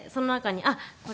あっこれ。